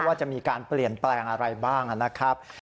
ว่าจะมีการเปลี่ยนแปลงอะไรบ้างนะครับ